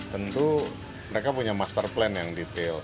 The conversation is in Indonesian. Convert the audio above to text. tentu mereka punya master plan yang detail